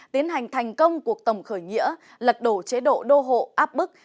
tiến hành thành công cuộc tổng khởi nghĩa lật đổ chế độ đô hộ áp bức